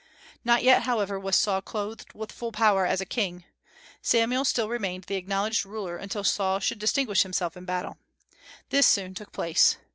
Not yet, however, was Saul clothed with full power as a king. Samuel still remained the acknowledged ruler until Saul should distinguish himself in battle. This soon took place.